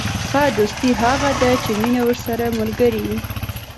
ښه دوستي هغه ده، چي مینه ورسره ملګرې يي.